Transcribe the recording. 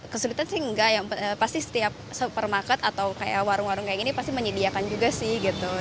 kesulitan sih enggak yang pasti setiap supermarket atau kayak warung warung kayak gini pasti menyediakan juga sih gitu